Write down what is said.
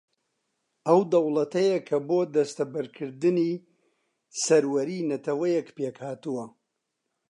ئەو دەوڵەتەیە کە بۆ دەستەبەرکردنی سەروەریی نەتەوەیەک پێک ھاتووە